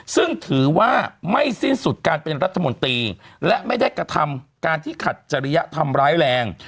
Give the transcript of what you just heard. ซึ่งถือว่าไม่สิ้นสุดการเป็นรัฐมนตรีและไม่ได้กระทำการที่ขัดจริยธรรมร้ายแรง